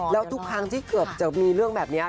แล้วทุกครั้งที่เกือบจะมีเรื่องแบบนี้